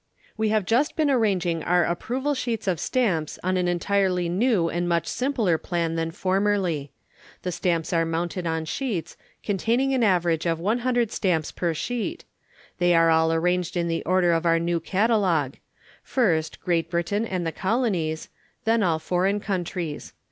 We have just been arranging our Approval Sheets of Stamps on an entirely new and much simpler plan than formerly. The Stamps are mounted on Sheets, containing an average of 100 Stamps per Sheet. They are all arranged in the order of our New Catalogue. First, Great Britain and the Colonies, then all Foreign Countries.